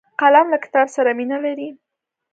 قلم له کتاب سره مینه لري